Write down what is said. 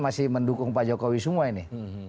masih mendukung pak jokowi semua ini